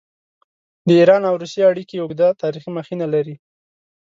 د ایران او روسیې اړیکې اوږده تاریخي مخینه لري.